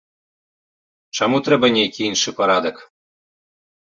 Чаму трэба нейкі іншы парадак?